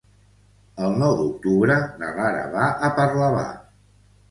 El nou d'octubre na Lara va a Parlavà.